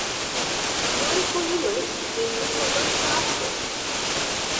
বিনয় কহিল, হিন্দুসমাজ তো আছে।